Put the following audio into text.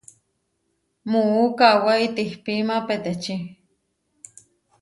Muú kawé itihpíma peteči.